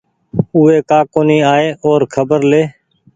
اوي ڪآ ڪونيٚ آئي اور خبر لي